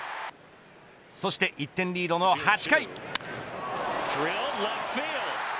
そして１点リードの８回。